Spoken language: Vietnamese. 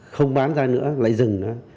không bán ra nữa lại dừng nó